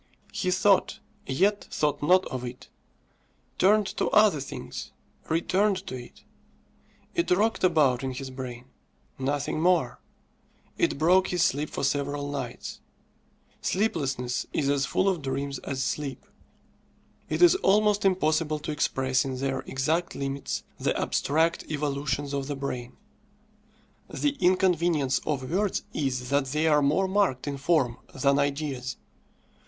He thought, yet thought not of it; turned to other things returned to it. It rocked about in his brain nothing more. It broke his sleep for several nights. Sleeplessness is as full of dreams as sleep. It is almost impossible to express in their exact limits the abstract evolutions of the brain. The inconvenience of words is that they are more marked in form than ideas.